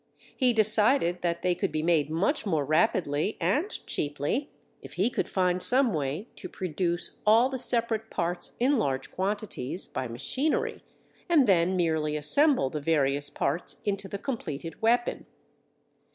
He decided that they could be made much more rapidly and cheaply if he could find some way to produce all the separate parts in large quantities by machinery, and then merely assemble the various parts into the completed weapon.